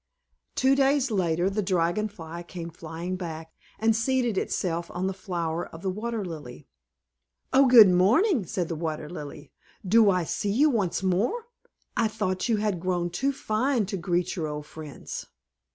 Two days later the Dragon Fly came flying back, and seated itself on the flower of the Water Lily. "Oh, good morning," said the Water Lily. "Do I see you once more? I thought you had grown too fine to greet your old friends."